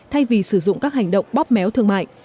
thay vì sử dụng các hành động bóp méo thương mại